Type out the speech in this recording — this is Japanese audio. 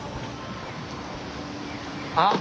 あっ！